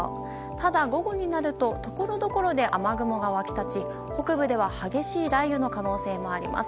ただ、午後になるとところどころで雨雲が湧き立ち北部では激しい雷雨の可能性もあります。